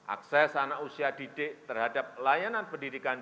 akses anak usia didik terhadap layanan pendidikan